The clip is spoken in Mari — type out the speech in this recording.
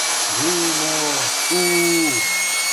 «Ю-у-мо-о, пу-у-у!»